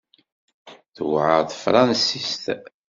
Tewεer tefransist?